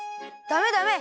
ダメダメ！